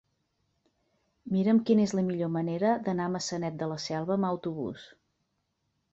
Mira'm quina és la millor manera d'anar a Maçanet de la Selva amb autobús.